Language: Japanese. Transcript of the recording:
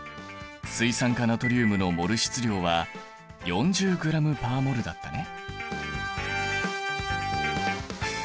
水酸化ナトリウムのモル質量は４０ｇ／ｍｏｌだったね。